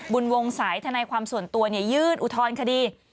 บุญวงศัยธนายความส่วนตัวยื่นอุทธรณคดี